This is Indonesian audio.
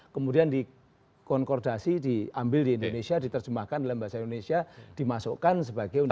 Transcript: kemudian dikonkordasi diambil di indonesia diterjemahkan dalam bahasa indonesia dimasukkan sebagai undang undang